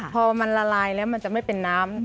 พอมันละลายแล้วมันจะไม่เป็นน้ำ